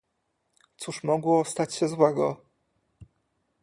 "Cóż mogło stać się złego?..."